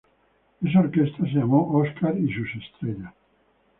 Esa orquesta se llamó "Oscar y sus estrellas".